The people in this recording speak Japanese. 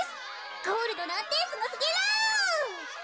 ゴールドなんてすごすぎる。